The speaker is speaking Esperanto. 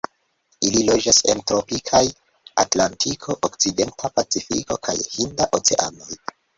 Ili loĝas en tropikaj Atlantiko, okcidenta Pacifiko kaj Hinda Oceanoj.